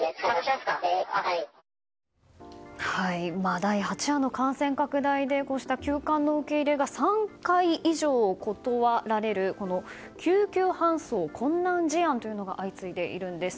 第８波の感染拡大でこうした急患の受け入れが３回以上断られる救急搬送困難事案というのが相次いでいるんです。